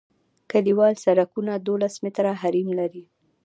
کلیوال سرکونه دولس متره حریم لري